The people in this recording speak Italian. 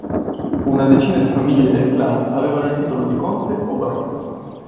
Una decina di famiglie del clan avevano il titolo di conte o barone.